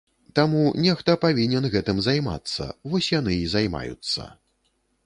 Таму нехта павінен гэтым займацца, вось яны і займаюцца.